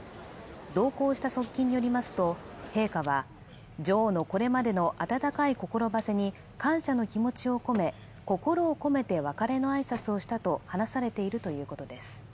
同行した側近によりますと陛下は女王のこれまでの温かい心ばせに感謝の気持ちを込め心を込めて別れの挨拶をしたと話されているということです